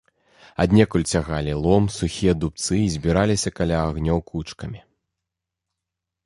Аднекуль цягалі лом, сухія дубцы і збіраліся каля агнёў кучкамі.